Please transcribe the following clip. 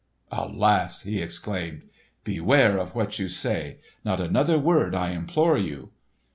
"Alas," he exclaimed. "Beware of what you say! Not another word I implore you!"